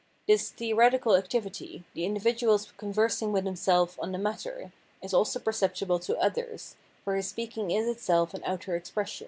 This theoretical activity, the individual's conversing with himself on the matter, is also percep tible to others, for his speaking is itself an outer ex pression.